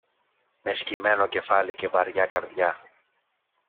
Με σκυμμένο κεφάλι και βαριά καρδιά